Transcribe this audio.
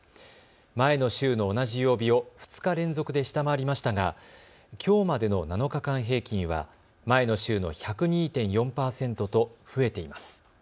前の週の同じ曜日を２日連続で下回りましたがきょうまでの７日間平均は前の週の１０２．４％と増えています。